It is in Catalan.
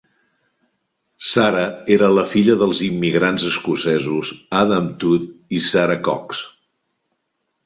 Sarah era la filla dels immigrants escocesos Adam Todd i Sarah Cox.